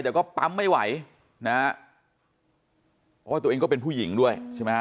แต่ก็ปั๊มไม่ไหวนะฮะเพราะว่าตัวเองก็เป็นผู้หญิงด้วยใช่ไหมฮะ